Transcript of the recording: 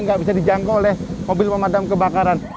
nggak bisa dijangkau oleh mobil pemadam kebakaran